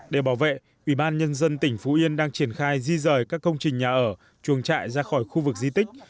để bảo vệ ủy ban nhân dân tỉnh phú yên đang triển khai di rời các công trình nhà ở chuồng trại ra khỏi khu vực di tích